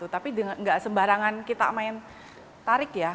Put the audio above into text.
tapi nggak sembarangan kita main tarik ya